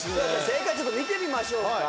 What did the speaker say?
正解ちょっと見てみましょうか。